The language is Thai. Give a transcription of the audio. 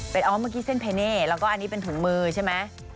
เป็นออฟเมื่อกี้เส้นเพเน่แล้วก็อันนี้เป็นถุงมือใช่ไหม